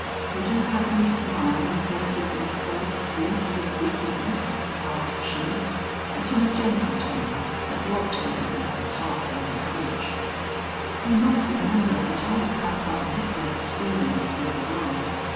"Would you have me smile in face of my first glimpse of wickedness," asked she, but in a gentle tone that robbed her words of half their reproach. "You must remember that I have had but little experience with the world.